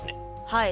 はい。